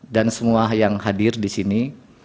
dan semua yang hadir di sini